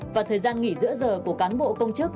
và thời gian nghỉ giữa giờ của cán bộ công chức